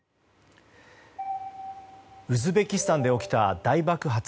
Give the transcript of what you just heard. ウズベキスタンで起きた大爆発。